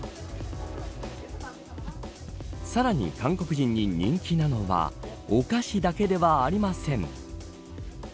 さらに韓国人に人気なのはお菓子だけではありません。